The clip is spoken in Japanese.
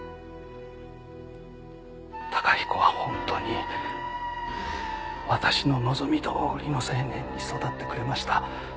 崇彦は本当に私の望みどおりの青年に育ってくれました。